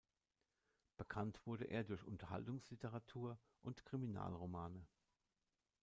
Bekannt wurde er durch Unterhaltungsliteratur und Kriminalromane.